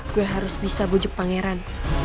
gue harus bisa bujuk pangeran